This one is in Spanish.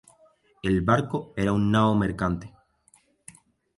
El barco era una nao mercante.